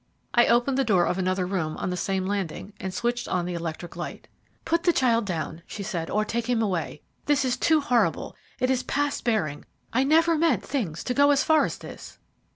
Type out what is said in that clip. I opened the door of another room on the same landing, and switched on the electric light. "Put the child down," she said, "or take him away. This is too horrible; it is past bearing. I never meant things to go as far as this."